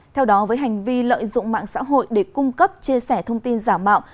theo đó với hành vi lợi dụng mạng xã hội để cung cấp chia sẻ thông tin giả mạo